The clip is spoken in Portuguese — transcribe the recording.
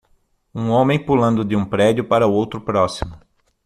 um homem pulando de um prédio para outro próximo